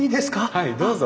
はいどうぞ。